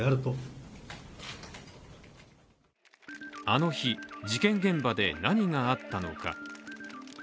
あの日、事件現場で何があったのか。